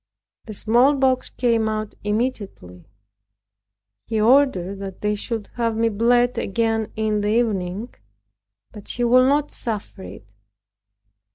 The smallpox came out immediately. He ordered that they should have me bled again in the evening, but she would not suffer it.